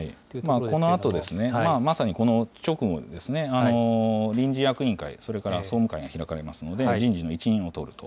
このあとですね、まさにこの直後に、臨時役員会、それから総務会が開かれますので、人事の一任を取ると。